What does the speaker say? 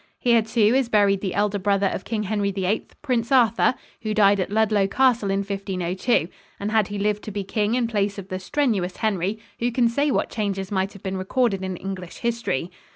Here, too, is buried the elder brother of King Henry VIII, Prince Arthur, who died at Ludlow Castle in 1502; and had he lived to be king in place of the strenuous Henry, who can say what changes might have been recorded in English history?